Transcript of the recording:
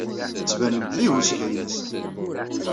Tettbanem-d d ihuskayen ass-a.